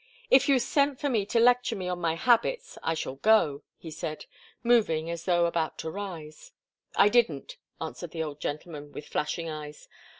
"If you've sent for me to lecture me on my habits, I shall go," he said, moving as though about to rise. "I didn't," answered the old gentleman, with flashing eyes.